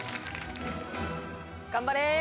頑張れ！